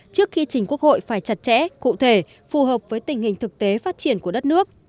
trước khi trình quốc hội phải chặt chẽ cụ thể phù hợp với tình hình thực tế phát triển của đất nước